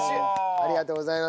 ありがとうございます。